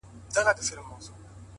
د شعرونو کتابچه وای،